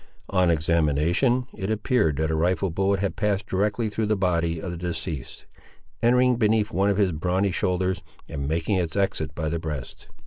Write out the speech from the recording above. On examination, it appeared that a rifle bullet had passed directly through the body of the deceased, entering beneath one of his brawny shoulders, and making its exit by the breast.